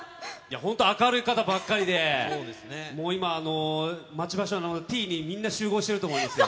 本当、明るい方ばっかりで、もう今、待ち合わせ場所のＴにみんな集合してると思いますよ。